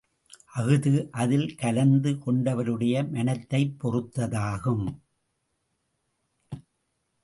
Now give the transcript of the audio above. அஃது அதில் கலந்து கொண்டவருடைய மனத்தைப் பொறுத்ததாகும்.